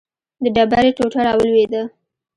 د ډبرې ټوټه راولوېده.